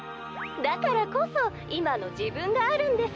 だからこそいまのじぶんがあるんです」。